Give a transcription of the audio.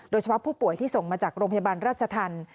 โดยเฉพาะผู้ป่วยที่ส่งมาจากโรงพยาบาลราชธรรม